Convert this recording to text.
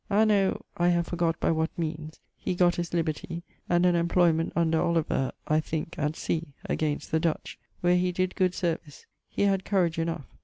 Anno.., (I have forgott by what meanes) he gott his libertie, and an employment under Oliver (I thinke) at sea, against the Dutch, where he did good service; he had courage enough.